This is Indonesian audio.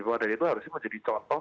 bahwa dari itu harusnya menjadi contoh